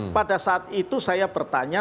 pada saat itu saya bertanya